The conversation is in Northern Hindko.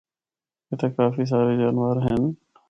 اِتھا کافی سارے جانور ہن۔